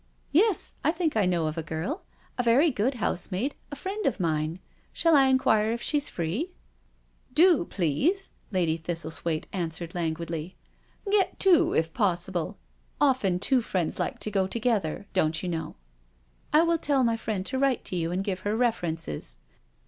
Yes, I think I know of a girl — a very good housemaid — a friend of mine. Shall I inquire if she's free?" " Do, please," Lady Thistlethwaite answered lan guidly. " Get two if possible. Often two friends like to go together, don*t you know." " I will tell my friend to write to you and give her references."